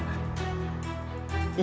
dia akan dibunuhnya